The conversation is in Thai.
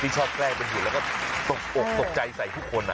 ที่ชอบแกล่งเป็นหยุดแล้วก็ตกใจใส่ทุกคนอะ